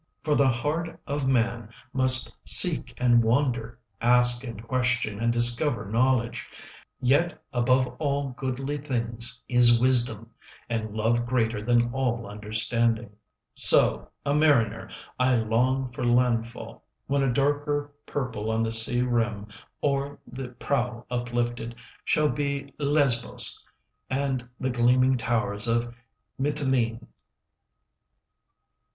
For the heart of man must seek and wander, 5 Ask and question and discover knowledge; Yet above all goodly things is wisdom, And love greater than all understanding. So, a mariner, I long for land fall,— When a darker purple on the sea rim, 10 O'er the prow uplifted, shall be Lesbos And the gleaming towers of Mitylene.